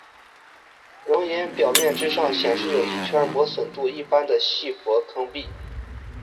熔岩表面之上显示有一圈磨损度一般的细薄坑壁。